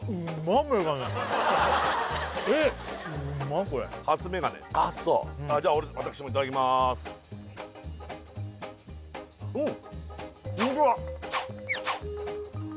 えっうっまこれ初メガネあっそうじゃ私もいただきますうん！